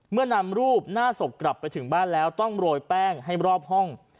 นำรูปหน้าศพกลับไปถึงบ้านแล้วต้องโรยแป้งให้รอบห้อง